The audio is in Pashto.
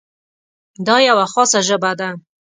دا یوه خاصه ژبه ده.